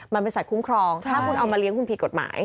มันเป็นสัตวคุ้มครองถ้าคุณเอามาเลี้ยคุณผิดกฎหมาย